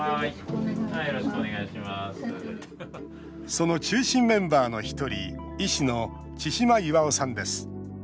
その中心メンバーのひとり医師の千嶋巌さんです。